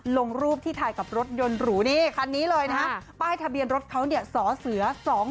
ลงรูปที่ถ่ายกับรถยนต์หรูนี่คันนี้เลยนะฮะป้ายทะเบียนรถเขาเนี่ยสอเสือ๒๕๖